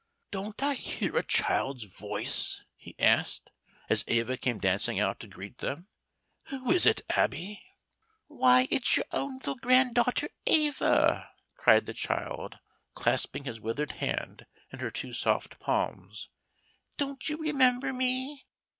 "Don't I hear a child's voice?" he asked, as Eva came dancing out to greet them. "Who is it, Abby?" "Why, it's your own little granddaughter Eva," cried the child, clasping his withered hand in her two soft palms. "Don't you remember me?